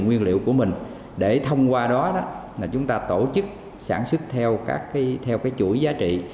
nguyên liệu của mình để thông qua đó chúng ta tổ chức sản xuất theo chuỗi giá trị